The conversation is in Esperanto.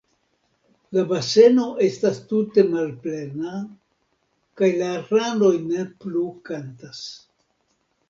La baseno estas tute malplena, kaj la ranoj ne plu kantas.